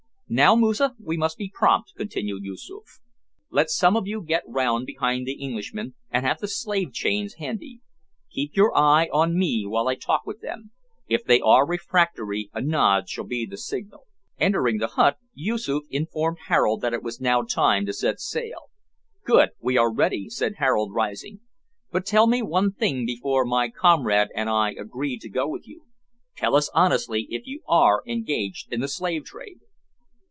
"Now, Moosa, we must be prompt," continued Yoosoof; "let some of you get round behind the Englishmen, and have the slave chains handy. Keep your eye on me while I talk with them; if they are refractory, a nod shall be the signal." Entering the hut Yoosoof informed Harold that it was now time to set sail. "Good, we are ready," said Harold, rising, "but tell me one thing before my comrade and I agree to go with you, tell us honestly if you are engaged in the slave trade."